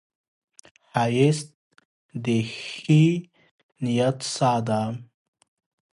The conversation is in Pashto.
ښایست د ښې نیت ساه ده